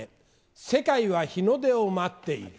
世界は日の出を待っている。